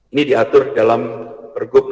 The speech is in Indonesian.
ini diatur dalam pergub no delapan puluh delapan